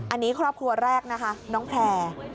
อันนี้ครอบครัวแรกนะคะน้องแพร่